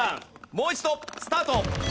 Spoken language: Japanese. もう一度スタート。